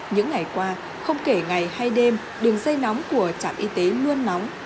những ngày qua không kể ngày hay đêm đường dây nóng của trạm y tế luôn nóng